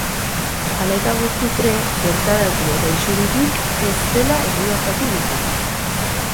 Hala eta guztiz ere, bertaratu eta isuririk ez zela egiaztatu dute.